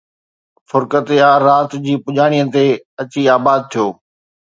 فرقت يار رات جي پڄاڻيءَ تي اچي آباد ٿيو